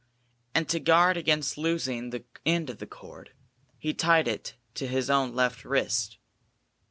And to guard against losing the end of the cord, he tied it to his own left wrist.